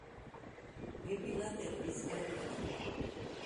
ვები ლადეღ ლიზგა̈რი ა̈თვბინ;